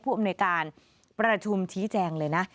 อำนวยการประชุมชี้แจงเลยนะ